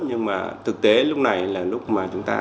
nhưng mà thực tế lúc này là lúc mà chúng ta